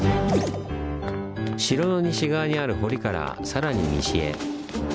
城の西側にある堀からさらに西へ。